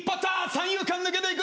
三遊間抜けていく！